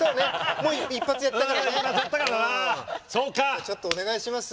じゃあちょっとお願いします。